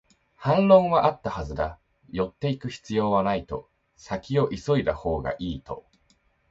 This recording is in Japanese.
反論はあったはずだ、寄っていく必要はないと、先を急いだほうがいいと